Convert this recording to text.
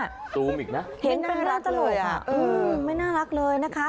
ตูมอีกนะไม่น่ารักเลยค่ะไม่น่ารักเลยนะคะ